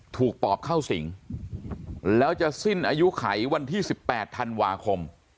ถูกปลอบเข้าสิงแล้วจะสิ้นอายุไขวันที่สิบแปดธันวาคม